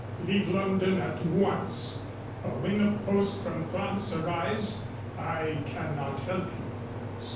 Leave London at once, for when the post from France arrives, I cannot help you.